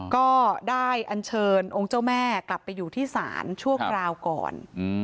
ก็ได้อันเชิญองค์เจ้าแม่กลับไปอยู่ที่ศาลชั่วคราวก่อน